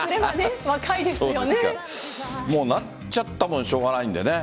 もうなっちゃったのはしょうがないので。